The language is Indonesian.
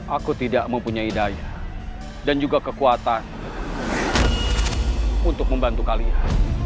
aku tidak mempunyai daya dan juga kekuatan untuk membantu kalian